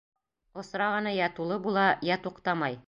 Осрағаны йә тулы була, йә туҡтамай.